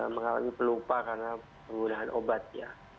mengalami pelupa karena penggunaan obat ya